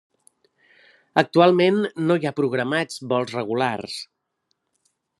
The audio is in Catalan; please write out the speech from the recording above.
Actualment no hi ha programats vols regulars.